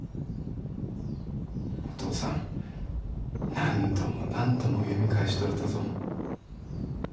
お父さん何度も何度も読み返しとるとぞ。